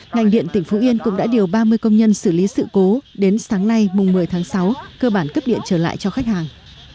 ngành điện tỉnh phú yên cũng đã điều ba mươi công nhân xử lý sự cố đến sáng nay mùng một mươi tháng sáu cơ bản cấp điện trở lại cho khách hàng